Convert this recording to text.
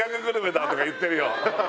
だ」とか言ってるよ